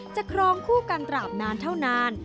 ครองคู่กันตราบนานเท่านาน